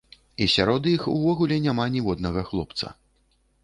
І сярод іх увогуле няма ніводнага хлопца!